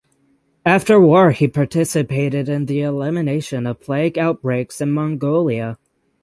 After war he participated in the elimination of plague outbreaks in Mongolia.